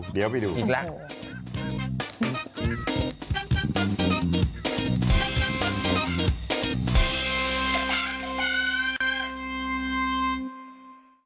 เดี๋ยวไปดูอีกแล้ว